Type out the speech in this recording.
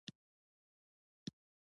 نهرو او سبهاش چندر بوس ځوان مشران وو.